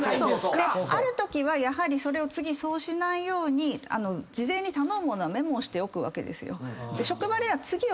あるときはやはりそれを次そうしないように事前に頼む物はメモをしておくわけですよ。